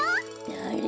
だれ？